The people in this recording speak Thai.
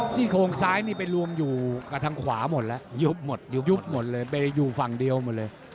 ซี่โครงซ้ายนี่ไปรวมอยู่กับทางขวาหมดแล้วยุบหมดยุบหมดเลยไปอยู่ฝั่งเดียวหมดเลย